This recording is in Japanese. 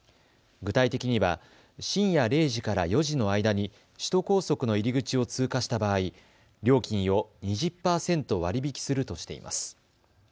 具体的には深夜０時から４時の間に首都高速の入り口を通過した場合、料金を２０％割り引きするとしています。